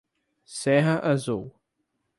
Serra Azul